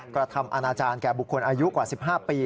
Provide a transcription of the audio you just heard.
กระทำอาณาจารย์แก่บุคคลอายุกว่า๑๕ปี